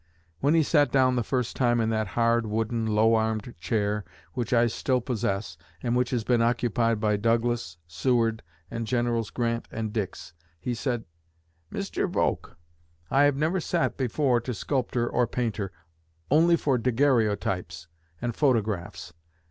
When he sat down the first time in that hard, wooden, low armed chair which I still possess, and which has been occupied by Douglas, Seward, and Generals Grant and Dix, he said, 'Mr. Volk, I have never sat before to sculptor or painter only for daguerreotypes and photographs.